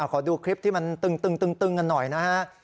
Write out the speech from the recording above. ขอดูคลิปที่มันตึงกันหน่อยนะฮะ